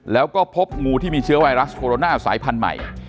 แล้วก็พบงูที่มีเชื้อไวรัสโคโรนาสายพันธุ์ใหม่